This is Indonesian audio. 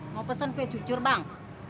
mau pesen kue cucur bang